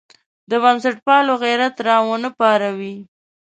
د بنسټپالو غیرت راونه پاروي.